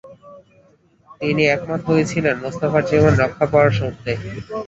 তিনি একমত হয়েছিলেন, মোস্তফার জীবন রক্ষা পাওয়ার শর্তে।